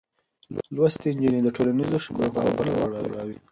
لوستې نجونې د ټولنيزو شبکو باور لوړوي.